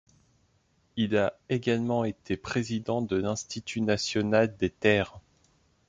Il a également été président de l'Institut national des Terres.